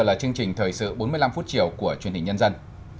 đây là chương trình thời sự bốn mươi năm phút chiều của truyền hình nhân dân